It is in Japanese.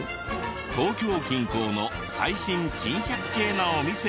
東京近郊の最新珍百景なお店リスト。